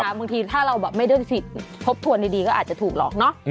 บางทีถ้าเราแบบไม่ได้สิทธิ์ทบทวนดีก็อาจจะถูกหลอกเนอะ